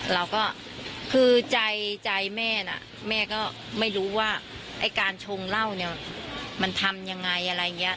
เราก็คือใจแม่น่ะแม่ก็ไม่รู้ว่าไอ้การชงเหล้าเนี่ยมันทำยังไงอะไรอย่างนี้